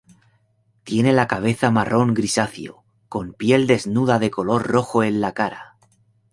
Tiene la cabeza marrón grisáceo, con piel desnuda de color rojo en la cara.